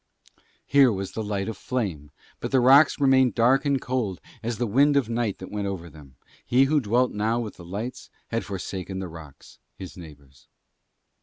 Here was the light of flame but the rocks remained dark and cold as the wind of night that went over them, he who dwelt now with the lights had forsaken the rocks, his neighbours.